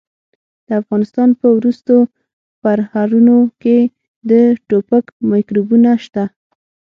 د افغانستان په ورستو پرهرونو کې د ټوپک میکروبونه شته.